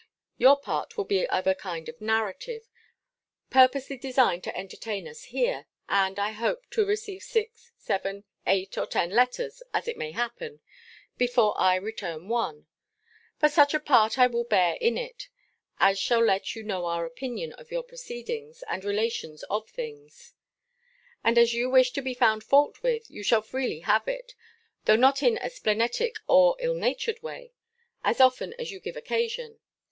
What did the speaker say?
Your part will be a kind of narrative, purposely designed to entertain us here; and I hope to receive six, seven, eight, or ten letters, as it may happen, before I return one: but such a part I will bear in it, as shall let you know our opinion of your proceedings, and relations of things. And as you wish to be found fault with, you shall freely have it (though not in a splenetic or ill natured way), as often as you give occasion.